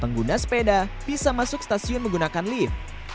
pengguna sepeda bisa masuk stasiun menggunakan lift